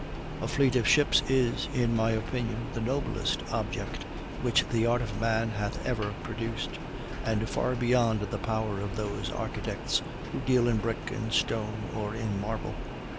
A fleet of ships is, in my opinion, the noblest object which the art of man hath ever produced; and far beyond the power of those architects who deal in brick, in stone, or in marble.